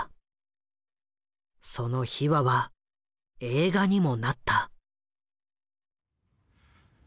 その秘話は映画にもなった。